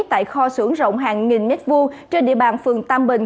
tại kho xưởng rộng hàng nghìn mét vuông trên địa bàn phường tam bình